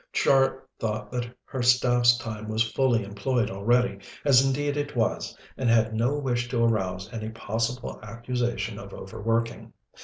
Char thought that her staff's time was fully employed already, as indeed it was, and had no wish to arouse any possible accusation of overworking.